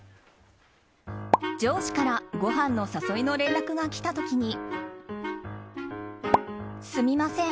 上司からごはんの誘いの連絡が来た時に。